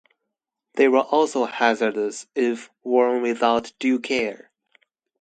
They were also hazardous if worn without due care.